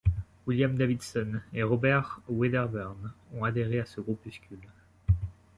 William Davidson et Robert Wedderburn ont adhéré à ce groupuscule.